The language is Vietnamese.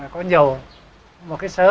có nhiều một cái sớ